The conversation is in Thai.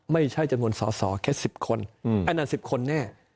ไม่ใช่จำนวนสอสอแค่๑๐คนอันนั้น๑๐คนแน่